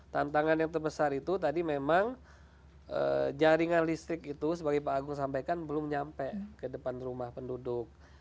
tantangan yang terbesar itu tadi memang jaringan listrik itu sebagai pak agung sampaikan belum nyampe ke depan rumah penduduk